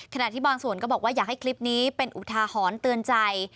ขณะที่บางส่วนก็บอกว่าอยากให้คลิปนี้เป็นอุทาหรณ์เตือนใจ